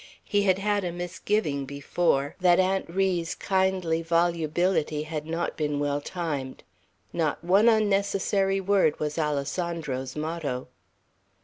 He had had a misgiving, before, that Aunt Ri's kindly volubility had not been well timed. Not one unnecessary word, was Alessandro's motto.